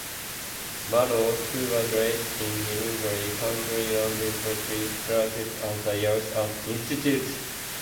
Morrow, who was raised in Limavady, County Londonderry, started as a youth at Institute.